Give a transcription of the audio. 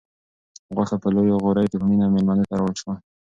غوښه په لویو غوریو کې په مینه مېلمنو ته راوړل شوه.